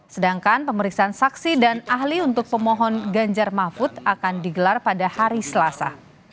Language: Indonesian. sedangkan pemeriksaan saksi dan ahli untuk pemohon ganjar mahfud akan digelar pada hari selasa